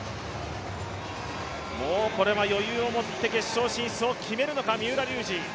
もうこれは余裕を持って、決勝進出を決めるのか、三浦龍司。